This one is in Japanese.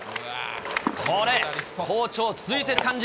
これ、好調続いてる感じ。